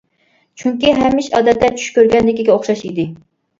چۈنكى ھەممە ئىش ئادەتتە چۈش كۆرگەندىكىگە ئوخشاش ئىدى.